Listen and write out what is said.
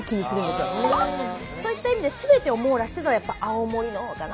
そういった意味ですべてを網羅してるのはやっぱ青森のほうかな。